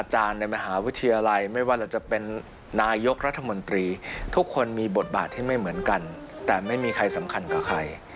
หลายบาทที่ไม่เหมือนกันแต่ไม่มีใครสำคัญกับใคร